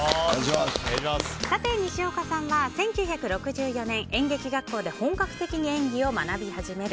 西岡さんは１９６４年、演劇学校で本格的に演技を学び始める。